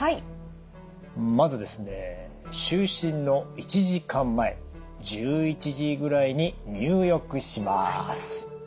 まずですね就寝の１時間前１１時ぐらいに入浴します。